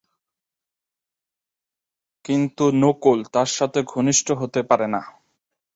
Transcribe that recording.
কিন্তু নকুল তার সাথে ঘনিষ্ঠ হতে পারে না।